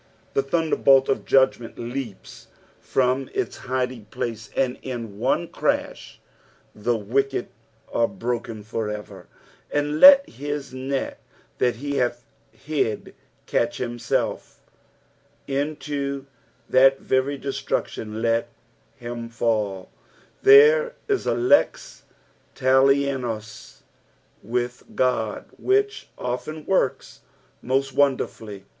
The thunderbolt of judgment leaps from its hiding place, and in one crash the wicked are broken for ever. ^^ And let hi» net that he hath hid eatch MmMif: into that tery dettrvetum let him full." There is a !ci: taltsnii with God which often works most wonderfully.